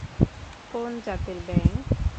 কোন জাতের ব্যাঙ?